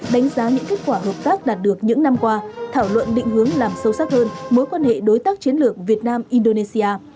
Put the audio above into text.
đánh giá những kết quả hợp tác đạt được những năm qua thảo luận định hướng làm sâu sắc hơn mối quan hệ đối tác chiến lược việt nam indonesia